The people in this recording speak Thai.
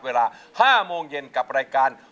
เวลา๕โมงเย็นกับรายการ